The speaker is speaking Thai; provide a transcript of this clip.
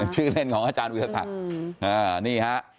ชื่อเล่นของอาจารย์วิทยาศักดิ์นี่ฮะ